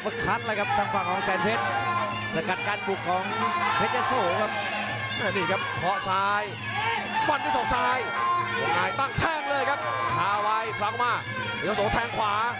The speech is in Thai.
แผ่งเพชรพยายามจะสะกัดด้วยแข้ง